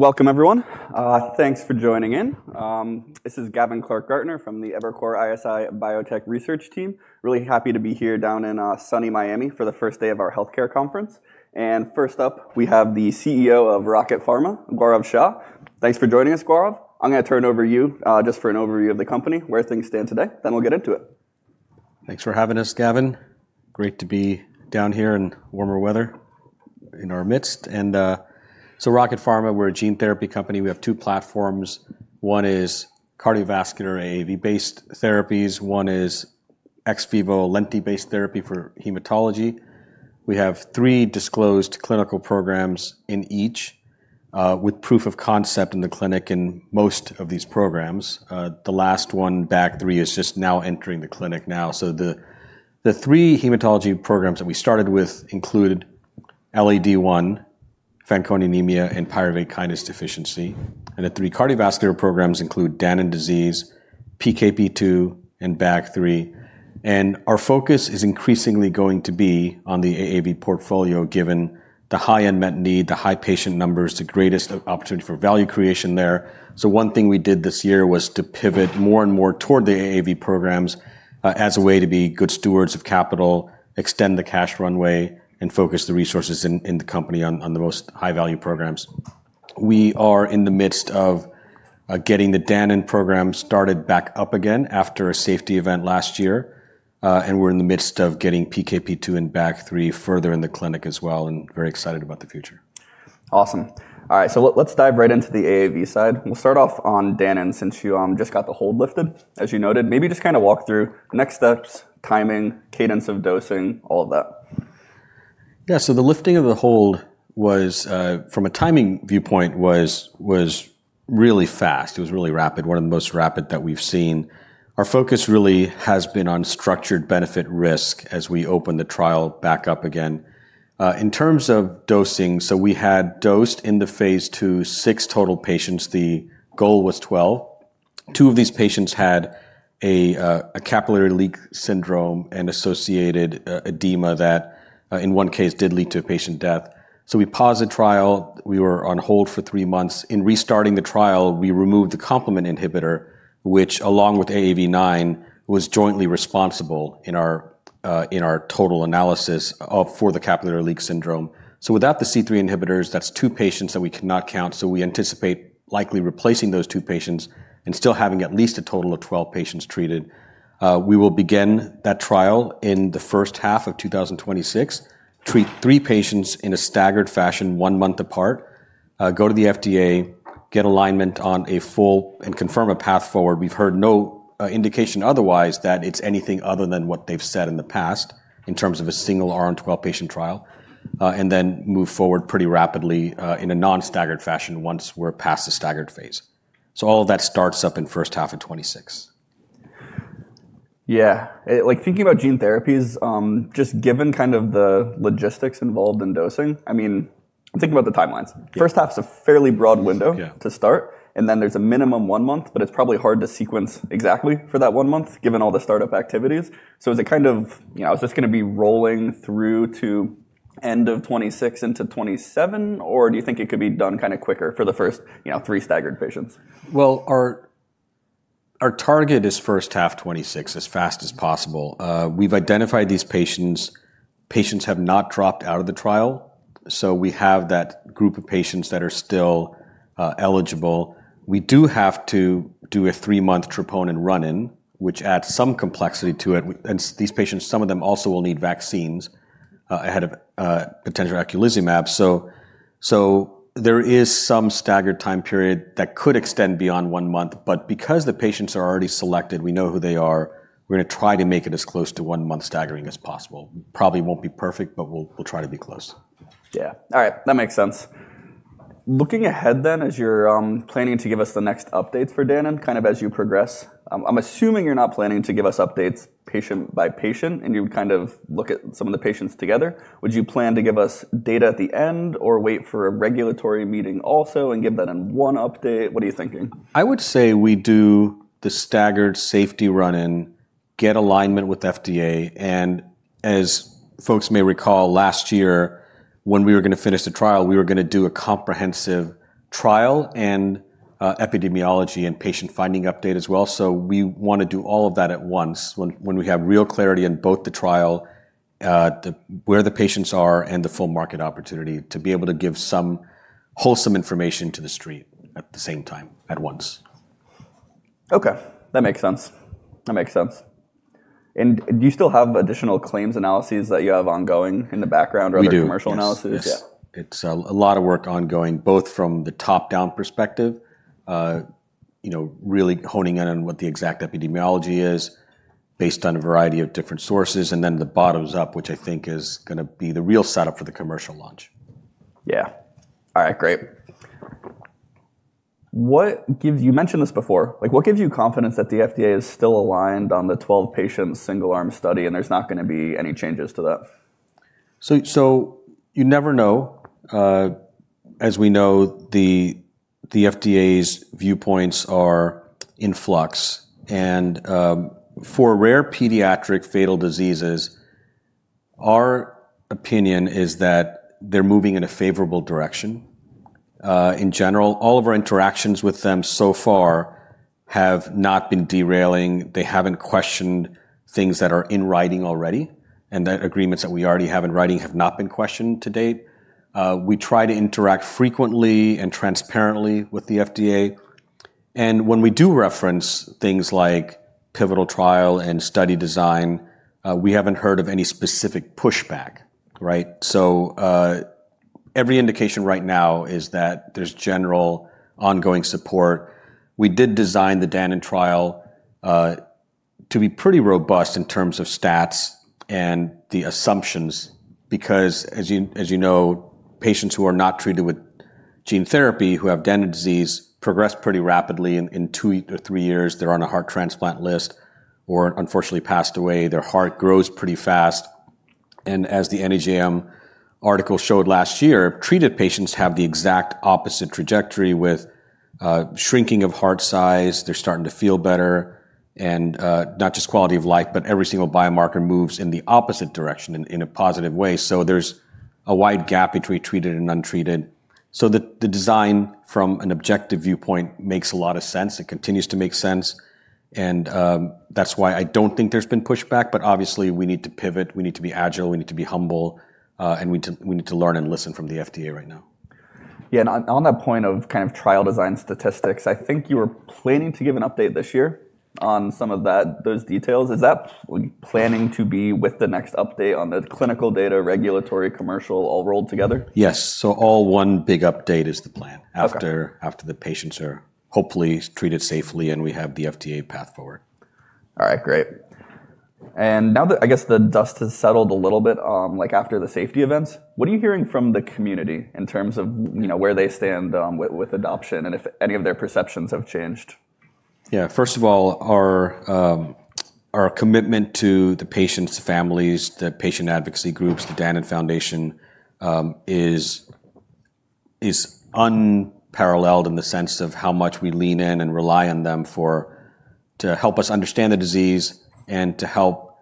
All right. Welcome, everyone. Thanks for joining in. This is Gavin Clark-Gartner from the Evercore ISI Biotech Research Team. Really happy to be here down in sunny Miami for the first day of our healthcare conference. First up, we have the CEO of Rocket Pharmaceuticals, Gaurav Shah. Thanks for joining us, Gaurav. I'm going to turn it over to you just for an overview of the company, where things stand today. Then we'll get into it. Thanks for having us, Gavin. Great to be down here in warmer weather in our midst. Rocket Pharmaceuticals, we're a gene therapy company. We have two platforms. One is cardiovascular AAV-based therapies. One is ex vivo Lenti-based therapy for hematology. We have three disclosed clinical programs in each with proof of concept in the clinic in most of these programs. The last one, BAG3, is just now entering the clinic now. The three hematology programs that we started with included LAD-I, Fanconi anemia, and pyruvate kinase deficiency. The three cardiovascular programs include Danon disease, PKP2, and BAG3. Our focus is increasingly going to be on the AAV portfolio given the high unmet need, the high patient numbers, the greatest opportunity for value creation there. One thing we did this year was to pivot more and more toward the AAV programs as a way to be good stewards of capital, extend the cash runway, and focus the resources in the company on the most high-value programs. We are in the midst of getting the Danon program started back up again after a safety event last year. We are in the midst of getting PKP2 and BAG3 further in the clinic as well and very excited about the future. Awesome. All right. Let's dive right into the AAV side. We'll start off on Danon since you just got the hold lifted, as you noted. Maybe just kind of walk through next steps, timing, cadence of dosing, all of that. Yeah. The lifting of the hold from a timing viewpoint was really fast. It was really rapid, one of the most rapid that we've seen. Our focus really has been on structured benefit risk as we open the trial back up again. In terms of dosing, we had dosed in the Phase 2 six total patients. The goal was 12. Two of these patients had a capillary leak syndrome and associated edema that in one case did lead to patient death. We paused the trial. We were on hold for three months. In restarting the trial, we removed the complement inhibitor, which along with AAV9 was jointly responsible in our total analysis for the capillary leak syndrome. Without the C3 inhibitors, that's two patients that we cannot count. We anticipate likely replacing those two patients and still having at least a total of 12 patients treated. We will begin that trial in the first half of 2026, treat three patients in a staggered fashion one month apart, go to the FDA, get alignment on a full and confirm a path forward. We've heard no indication otherwise that it's anything other than what they've said in the past in terms of a single RN12 patient trial, and then move forward pretty rapidly in a non-staggered fashion once we're past the staggered phase. All of that starts up in the first half of 26. Yeah. Thinking about gene therapies, just given kind of the logistics involved in dosing, I mean, think about the timelines. First half is a fairly broad window to start. And then there's a minimum one month, but it's probably hard to sequence exactly for that one month given all the startup activities. Is this going to be rolling through to end of 26 into 27, or do you think it could be done kind of quicker for the first three staggered patients? Our target is first half 26 as fast as possible. We've identified these patients. Patients have not dropped out of the trial. We have that group of patients that are still eligible. We do have to do a three-month troponin run-in, which adds some complexity to it. These patients, some of them also will need vaccines ahead of potential Eculizumab. There is some staggered time period that could extend beyond one month. Because the patients are already selected, we know who they are. We're going to try to make it as close to one month staggering as possible. Probably won't be perfect, but we'll try to be close. Yeah. All right. That makes sense. Looking ahead then, as you're planning to give us the next updates for Danon, kind of as you progress, I'm assuming you're not planning to give us updates patient by patient and you kind of look at some of the patients together. Would you plan to give us data at the end or wait for a regulatory meeting also and give that in one update? What are you thinking? I would say we do the staggered safety run-in, get alignment with FDA. As folks may recall, last year when we were going to finish the trial, we were going to do a comprehensive trial and epidemiology and patient finding update as well. We want to do all of that at once when we have real clarity in both the trial, where the patients are, and the full market opportunity to be able to give some wholesome information to the street at the same time at once. Okay. That makes sense. That makes sense. Do you still have additional claims analyses that you have ongoing in the background or the commercial analyses? We do. It's a lot of work ongoing both from the top-down perspective, really honing in on what the exact epidemiology is based on a variety of different sources, and then the bottoms up, which I think is going to be the real setup for the commercial launch. Yeah. All right. Great. You mentioned this before. What gives you confidence that the FDA is still aligned on the 12 patient single-arm study and there's not going to be any changes to that? You never know. As we know, the FDA's viewpoints are in flux. For rare pediatric fatal diseases, our opinion is that they're moving in a favorable direction. In general, all of our interactions with them so far have not been derailing. They haven't questioned things that are in writing already. The agreements that we already have in writing have not been questioned to date. We try to interact frequently and transparently with the FDA. When we do reference things like pivotal trial and study design, we haven't heard of any specific pushback. Every indication right now is that there's general ongoing support. We did design the Danon trial to be pretty robust in terms of stats and the assumptions because, as you know, patients who are not treated with gene therapy who have Danon disease progress pretty rapidly in two or three years. They're on a heart transplant list or unfortunately passed away. Their heart grows pretty fast. As the NEJM article showed last year, treated patients have the exact opposite trajectory with shrinking of heart size. They're starting to feel better. Not just quality of life, but every single biomarker moves in the opposite direction in a positive way. There is a wide gap between treated and untreated. The design from an objective viewpoint makes a lot of sense. It continues to make sense. That is why I do not think there has been pushback. Obviously, we need to pivot. We need to be agile. We need to be humble. We need to learn and listen from the FDA right now. Yeah. On that point of kind of trial design statistics, I think you were planning to give an update this year on some of those details. Is that planning to be with the next update on the clinical data, regulatory, commercial, all rolled together? Yes. All one big update is the plan after the patients are hopefully treated safely and we have the FDA path forward. All right. Great. Now that I guess the dust has settled a little bit after the safety events, what are you hearing from the community in terms of where they stand with adoption and if any of their perceptions have changed? Yeah. First of all, our commitment to the patients, the families, the patient advocacy groups, the Danon Disease Foundation is unparalleled in the sense of how much we lean in and rely on them to help us understand the disease and to help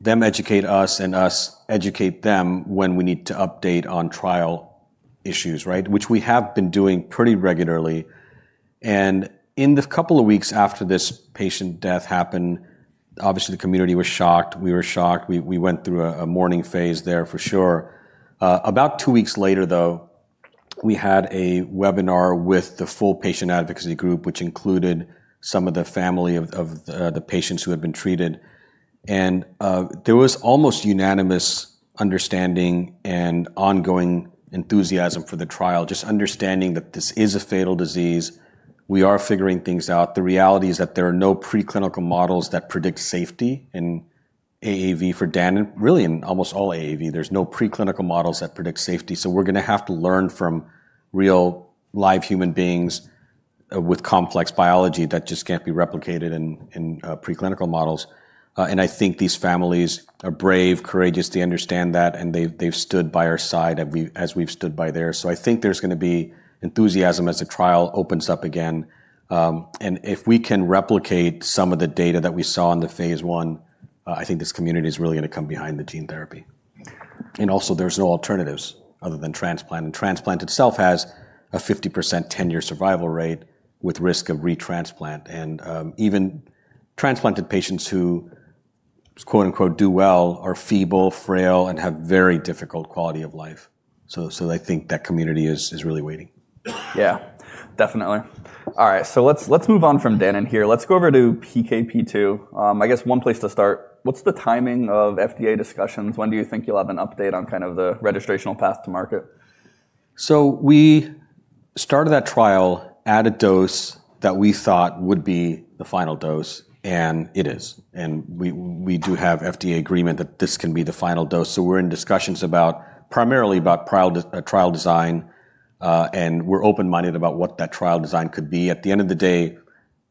them educate us and us educate them when we need to update on trial issues, which we have been doing pretty regularly. In the couple of weeks after this patient death happened, obviously, the community was shocked. We were shocked. We went through a mourning phase there for sure. About two weeks later, though, we had a webinar with the full patient advocacy group, which included some of the family of the patients who had been treated. There was almost unanimous understanding and ongoing enthusiasm for the trial, just understanding that this is a fatal disease. We are figuring things out. The reality is that there are no preclinical models that predict safety in AAV for Danon, really in almost all AAV. There's no preclinical models that predict safety. We're going to have to learn from real live human beings with complex biology that just can't be replicated in preclinical models. I think these families are brave, courageous to understand that. They've stood by our side as we've stood by theirs. I think there's going to be enthusiasm as the trial opens up again. If we can replicate some of the data that we saw in the phase one, I think this community is really going to come behind the gene therapy. Also, there's no alternatives other than transplant. Transplant itself has a 50% 10-year survival rate with risk of retransplant. Even transplanted patients who "do well" are feeble, frail, and have very difficult quality of life. I think that community is really waiting. Yeah. Definitely. All right. Let's move on from Danon here. Let's go over to PKP2. I guess one place to start, what's the timing of FDA discussions? When do you think you'll have an update on kind of the registrational path to market? We started that trial, added dose that we thought would be the final dose. It is. We do have FDA agreement that this can be the final dose. We're in discussions primarily about trial design. We're open-minded about what that trial design could be. At the end of the day,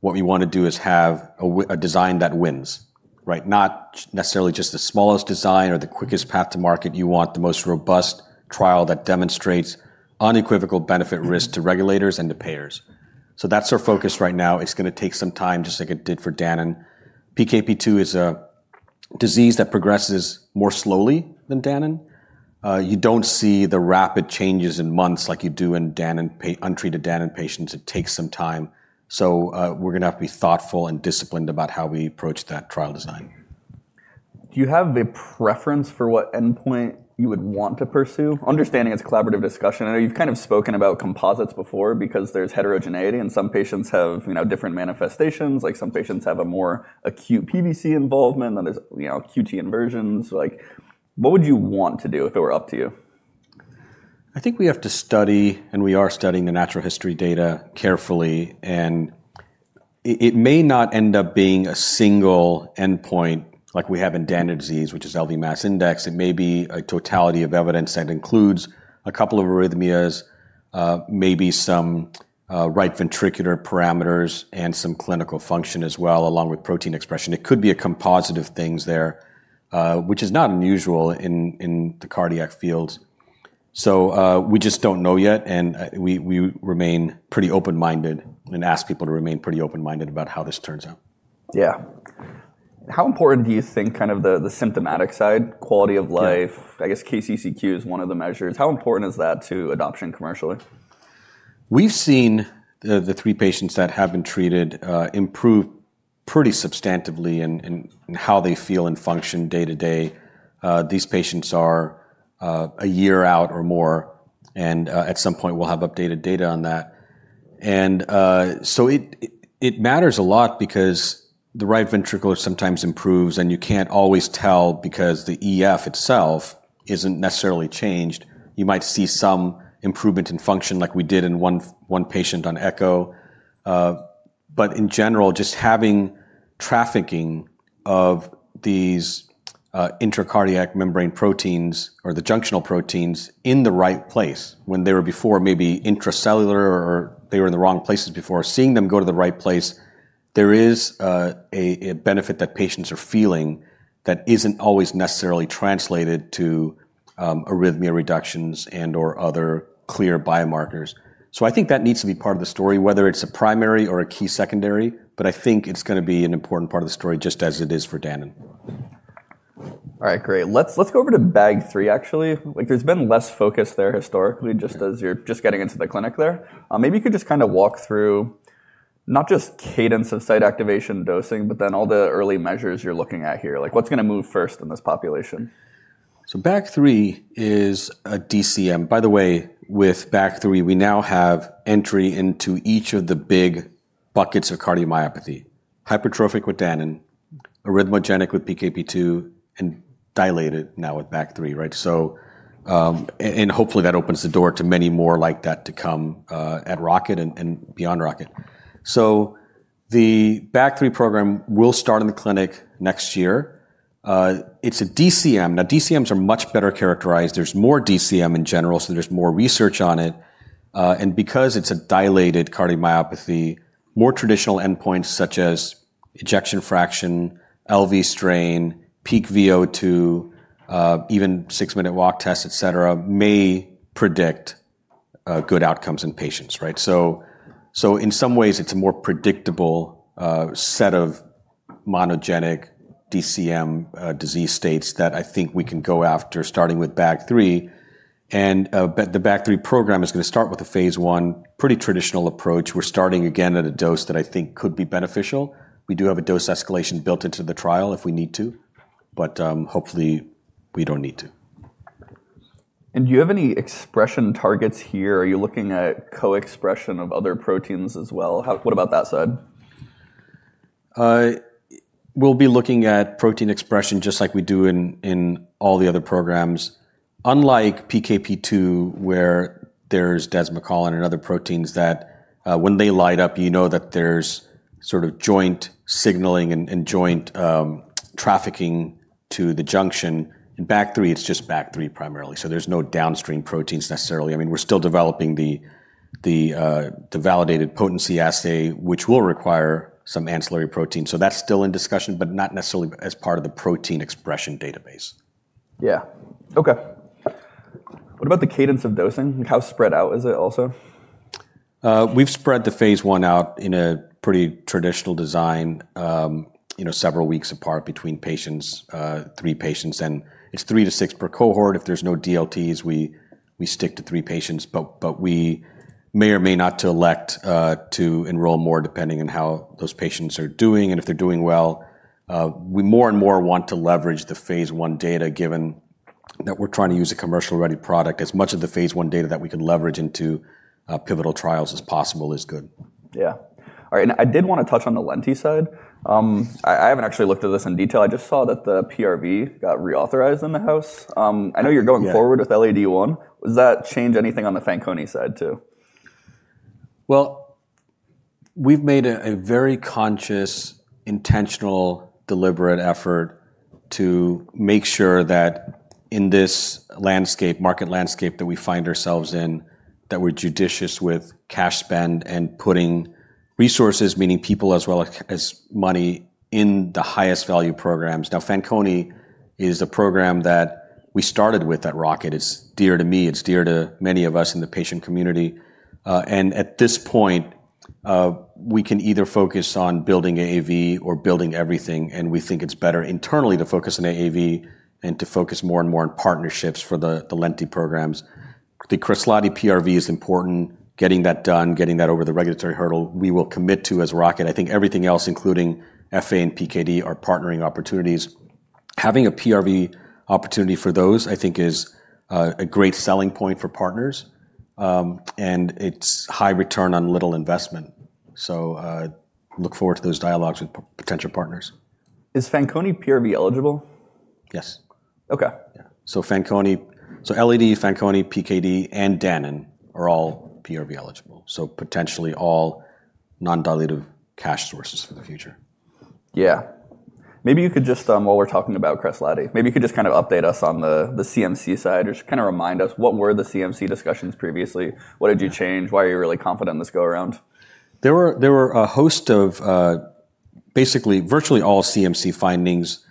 what we want to do is have a design that wins, not necessarily just the smallest design or the quickest path to market. You want the most robust trial that demonstrates unequivocal benefit risk to regulators and to payers. That's our focus right now. It's going to take some time just like it did for Danon. PKP2 is a disease that progresses more slowly than Danon. You don't see the rapid changes in months like you do in untreated Danon patients. It takes some time. We're going to have to be thoughtful and disciplined about how we approach that trial design. Do you have a preference for what endpoint you would want to pursue? Understanding it's a collaborative discussion. I know you've kind of spoken about composites before because there's heterogeneity and some patients have different manifestations. Like some patients have a more acute PVC involvement than there's QT inversions. What would you want to do if it were up to you? I think we have to study, and we are studying the natural history data carefully. It may not end up being a single endpoint like we have in Danon disease, which is LV mass index. It may be a totality of evidence that includes a couple of arrhythmias, maybe some right ventricular parameters, and some clinical function as well along with protein expression. It could be a composite of things there, which is not unusual in the cardiac fields. We just do not know yet. We remain pretty open-minded and ask people to remain pretty open-minded about how this turns out. Yeah. How important do you think kind of the symptomatic side, quality of life? I guess KCCQ is one of the measures. How important is that to adoption commercially? We've seen the three patients that have been treated improve pretty substantively in how they feel and function day to day. These patients are a year out or more. At some point, we'll have updated data on that. It matters a lot because the right ventricular sometimes improves. You can't always tell because the EF itself isn't necessarily changed. You might see some improvement in function like we did in one patient on echo. In general, just having trafficking of these intracardiac membrane proteins or the junctional proteins in the right place when they were before maybe intracellular or they were in the wrong places before, seeing them go to the right place, there is a benefit that patients are feeling that isn't always necessarily translated to arrhythmia reductions and/or other clear biomarkers. I think that needs to be part of the story, whether it's a primary or a key secondary. I think it's going to be an important part of the story just as it is for Danon. All right. Great. Let's go over to BAG3, actually. There's been less focus there historically just as you're just getting into the clinic there. Maybe you could just kind of walk through not just cadence of site activation dosing, but then all the early measures you're looking at here. What's going to move first in this population? BAG3 is a DCM. By the way, with BAG3, we now have entry into each of the big buckets of cardiomyopathy, hypertrophic with Danon, arrhythmogenic with PKP2, and dilated now with BAG3. Hopefully, that opens the door to many more like that to come at Rocket and beyond Rocket. The BAG3 program will start in the clinic next year. It's a DCM. DCMs are much better characterized. There's more DCM in general, so there's more research on it. Because it's a dilated cardiomyopathy, more traditional endpoints such as ejection fraction, LV strain, peak VO2, even six-minute walk test, et cetera, may predict good outcomes in patients. In some ways, it's a more predictable set of monogenic DCM disease states that I think we can go after starting with BAG3. The BAG3 program is going to start with a phase I pretty traditional approach. We're starting again at a dose that I think could be beneficial. We do have a dose escalation built into the trial if we need to. Hopefully, we don't need to. Do you have any expression targets here? Are you looking at co-expression of other proteins as well? What about that side? We'll be looking at protein expression just like we do in all the other programs. Unlike PKP2, where there's desmocollin and other proteins that when they light up, you know that there's sort of joint signaling and joint trafficking to the junction. In BAG3, it's just BAG3 primarily. So there's no downstream proteins necessarily. I mean, we're still developing the validated potency assay, which will require some ancillary protein. So that's still in discussion, but not necessarily as part of the protein expression database. Yeah. Okay. What about the cadence of dosing? How spread out is it also? We've spread the Phase 1 out in a pretty traditional design, several weeks apart between patients, three patients. It's three to six per cohort. If there's no DLTs, we stick to three patients. We may or may not elect to enroll more depending on how those patients are doing. If they're doing well, we more and more want to leverage the phase 1 data given that we're trying to use a commercial-ready product. As much of the phase 1 data that we can leverage into pivotal trials as possible is good. Yeah. All right. I did want to touch on the Lenti side. I haven't actually looked at this in detail. I just saw that the PRV got reauthorized in the House. I know you're going forward with LAD-I. Does that change anything on the Fanconi side too? We've made a very conscious, intentional, deliberate effort to make sure that in this market landscape that we find ourselves in, that we're judicious with cash spend and putting resources, meaning people as well as money, in the highest value programs. Now, Fanconi is a program that we started with at Rocket. It's dear to me. It's dear to many of us in the patient community. At this point, we can either focus on building AAV or building everything. We think it's better internally to focus on AAV and to focus more and more on partnerships for the Lenti programs. The Kresladi PRV is important. Getting that done, getting that over the regulatory hurdle, we will commit to as Rocket. I think everything else, including FA and PKD, are partnering opportunities. Having a PRV opportunity for those, I think, is a great selling point for partners. It is high return on little investment. Look forward to those dialogues with potential partners. Is Fanconi PRV eligible? Yes. Okay. LAD, Fanconi, PKD, and Danon are all PRV eligible. So potentially all non-diluted cash sources for the future. Yeah. Maybe you could just, while we're talking about Kresladi, maybe you could just kind of update us on the CMC side or just kind of remind us what were the CMC discussions previously? What did you change? Why are you really confident in this go-around? There were a host of basically virtually all CMC findings.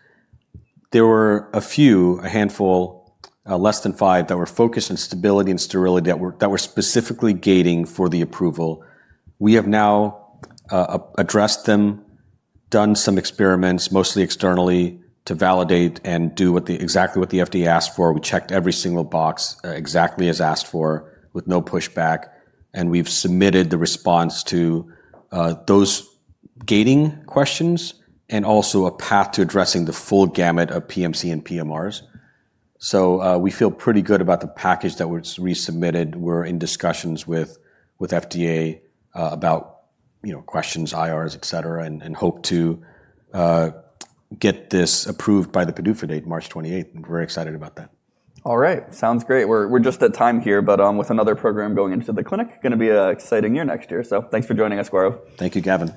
There were a few, a handful, less than five that were focused on stability and sterility that were specifically gating for the approval. We have now addressed them, done some experiments mostly externally to validate and do exactly what the FDA asked for. We checked every single box exactly as asked for with no pushback. We have submitted the response to those gating questions and also a path to addressing the full gamut of PMC and PMRs. We feel pretty good about the package that was resubmitted. We are in discussions with FDA about questions, IRs, et cetera, and hope to get this approved by the PDUFA date March 28. We are very excited about that. All right. Sounds great. We're just at time here. With another program going into the clinic, going to be an exciting year next year. Thanks for joining us, Gaurav. Thank you, Gavin.